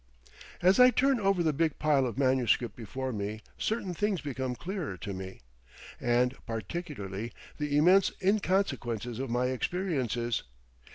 As I turn over the big pile of manuscript before me certain things become clearer to me, and particularly the immense inconsequences of my experiences.